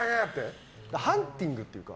ハンティングっていうか。